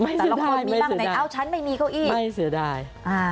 ไม่เสียดายไม่เสียดายไม่เสียดาย